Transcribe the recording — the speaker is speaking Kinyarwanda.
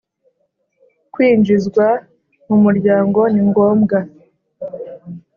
Kwinjizwa mu muryango ningombwa.